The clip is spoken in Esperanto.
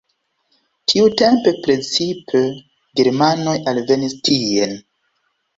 Tiutempe precipe germanoj alvenis tien.